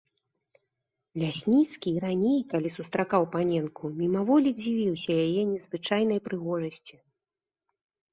Лясніцкі і раней, калі сустракаў паненку, мімаволі дзівіўся яе незвычайнай прыгожасці.